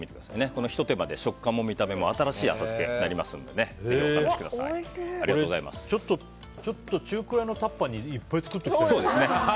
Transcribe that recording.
このひと手間で食感も見た目も新しい浅漬けになりますのでちょっと中くらいのタッパーにいっぱい作っておきたいね。